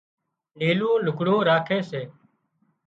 نيلُون لگھڙون راکي سي